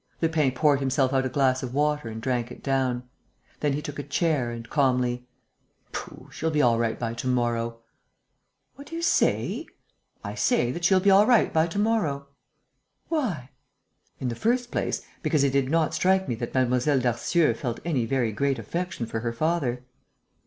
Lupin poured himself out a glass of water and drank it down. Then he took a chair and, calmly: "Pooh! She'll be all right by to morrow." "What do you say?" "I say that she'll be all right by to morrow." "Why?" "In the first place, because it did not strike me that Mlle. Darcieux felt any very great affection for her father."